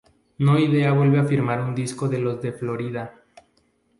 No Idea vuelve a firmar un disco de los de Florida.